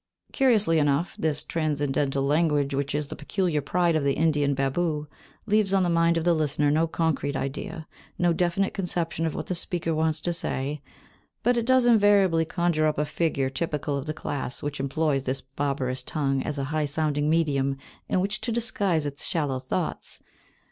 Curiously enough, this transcendental language, which is the peculiar pride of the Indian babu, leaves on the mind of the listener no concrete idea, no definite conception of what the speaker wants to say; but it does invariably conjure up a figure typical of the class which employs this barbarous tongue as a high sounding medium in which to disguise its shallow thoughts.